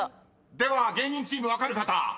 ［では芸人チーム分かる方］